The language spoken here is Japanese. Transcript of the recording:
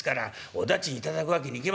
お駄賃頂くわけにいきませんよ」。